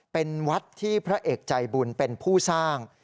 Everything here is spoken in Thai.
เป็นวัดที่พระเอกใจบุญเป็นผู้สร้าง